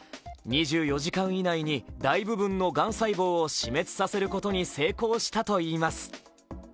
２４時間以内に大部分のがん細胞を死滅させることに成功したといいます。